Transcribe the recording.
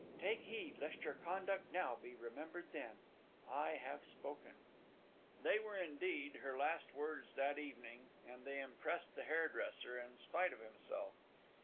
Take heed, lest your conduct now be remembered then! I have spoken." They were indeed her last words that evening, and they impressed the hairdresser, in spite of himself.